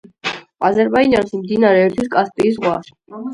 აზერბაიჯანში მდინარე ერთვის კასპიის ზღვას.